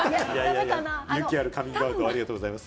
勇気あるカミングアウト、ありがとうございます。